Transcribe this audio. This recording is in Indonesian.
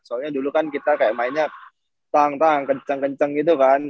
soalnya dulu kan kita kayak mainnya tang tang kenceng kenceng gitu kan